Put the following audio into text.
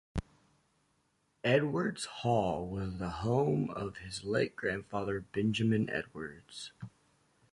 "Edwards Hall" was the home of his late grandfather, Benjamin Edwards.